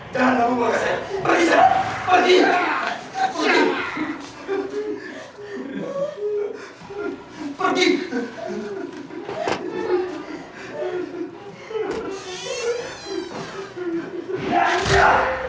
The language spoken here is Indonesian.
jangan lupa membawa saya pergi pergi pergi